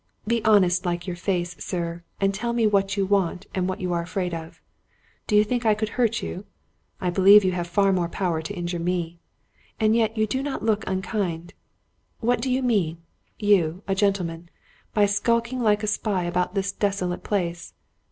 Be honest like your face, sir, and tell me what you want and what you are afraid of. Do you think I could hurt you? I believe you have far more power to injure me! And yet you do not look un kind. What do you mean — ^you, a gentleman — by skulking like a spy about this desolate place?